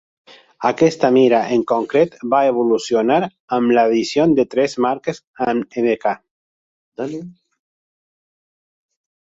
Aquesta mira en concret va evolucionar amb l'addició de tres marques amb el Mk.